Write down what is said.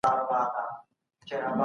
هغه وویل چې منډه ښه ده.